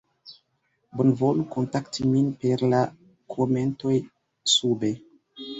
bonvolu kontakti min per la komentoj sube